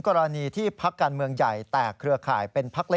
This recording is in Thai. กรณีนี้ทางด้านของประธานกรกฎาได้ออกมาพูดแล้ว